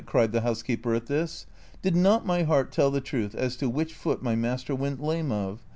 " cried the housekeeper at this :" did not my heart tell the truth as to which foot my master went lame of?